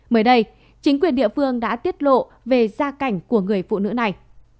mới đây chính quyền địa phương đã tiết lộ về gia cảnh của người phụ nữ này